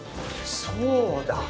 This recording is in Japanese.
そうだ！